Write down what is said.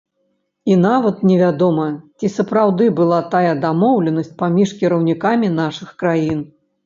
І нават не вядома, ці сапраўды была тая дамоўленасць паміж кіраўнікамі нашых краін.